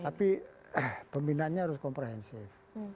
tapi pembinaannya harus komprehensif